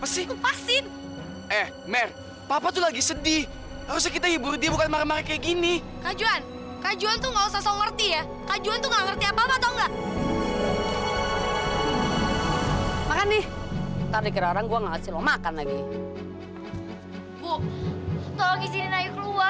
sampai jumpa di video selanjutnya